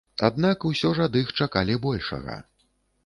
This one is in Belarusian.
Аднак усё ж ад іх чакалі большага.